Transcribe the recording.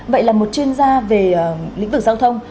vậy là một chuyên gia về lĩnh vực giao thông